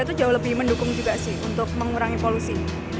itu jauh lebih mendukung juga sih untuk mengurangi polusi